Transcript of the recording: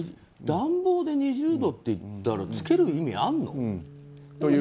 暖房で２０度っていったらつける意味あるの？